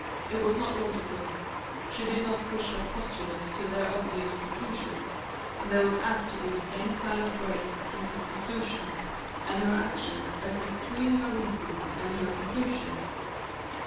It was not logical; she did not push her postulates to their obvious conclusions; and there was apt to be the same kind of break between her conclusions and her actions as between her reasons and her conclusions.